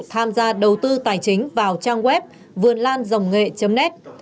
tham gia đầu tư tài chính vào trang web vươnlan ngh net